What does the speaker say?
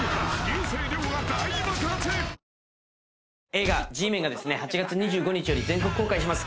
映画『Ｇメン』が８月２５日より全国公開します。